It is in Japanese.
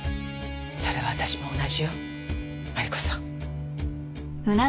それは私も同じよマリコさん。